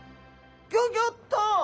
ギョギョッと。